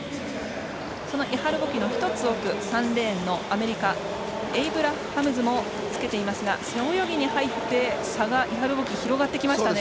イハル・ボキの１つ奥３レーンのアメリカ、エイブラハムズもつけていますが背泳ぎに入って差がイハル・ボキ広がってきましたね。